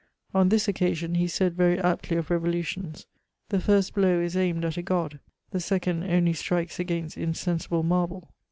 On this occasion ne said very aptly of reyolutions :*' The first blow is aimed at a god, the second only strikes against insensihle marhle."